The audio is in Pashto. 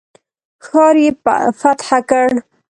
ښار یې فتح کړ.